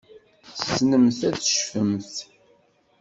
Tessnemt ad tecfemt?